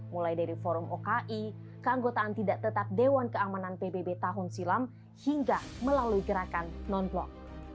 mulai dari forum oki keanggotaan tidak tetap dewan keamanan pbb tahun silam hingga melalui gerakan non blok